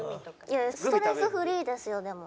いやストレスフリーですよでも。